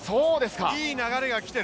いい流れがきてる。